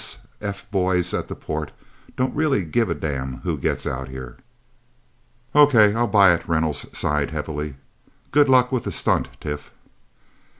S.S.F. boys at the port don't really give a damn who gets Out Here." "Okay I'll buy it," Reynolds sighed heavily. "Good luck with the stunt, Tif."